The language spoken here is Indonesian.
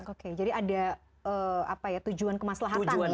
oke jadi ada apa ya tujuan kemaslahatan ya